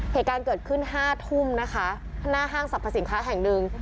เหตุการณ์เกิดขึ้น๕ทุ่มนะคะหน้าห้างสรรพสินค้าแห่งหนึ่ง